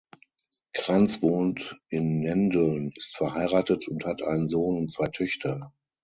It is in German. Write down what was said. Kranz wohnt in Nendeln, ist verheiratet und hat einen Sohn und zwei Töchter.